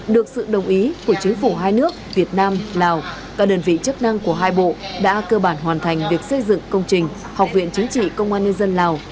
được sự đồng ý của chính phủ hai nước việt nam lào các đơn vị chức năng của hai bộ đã cơ bản hoàn thành việc xây dựng công trình học viện chính trị công an nhân dân lào